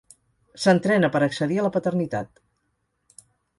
S'entrena per accedir a la paternitat.